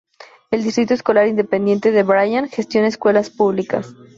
El Distrito Escolar Independiente de Bryan gestiona escuelas públicas.